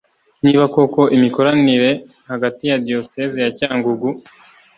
niba koko imikoranire hagati ya Diyosezi ya Cyangugu